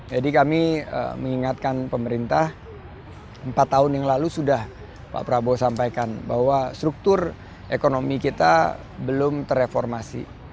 jadi kami mengingatkan pemerintah empat tahun yang lalu sudah pak prabowo sampaikan bahwa struktur ekonomi kita belum terreformasi